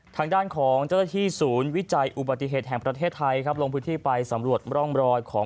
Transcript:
ทางด้านของเจ้าที่ศูนย์วิจัยอุบัติเหตุแห่งประเทศไทย